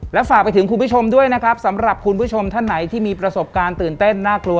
และฝากไปถึงคุณผู้ชมด้วยนะครับสำหรับคุณผู้ชมท่านไหนที่มีประสบการณ์ตื่นเต้นน่ากลัว